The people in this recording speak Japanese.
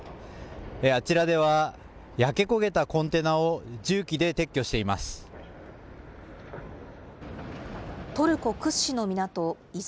あちらでは、焼け焦げたコンテナを重機で撤去しています。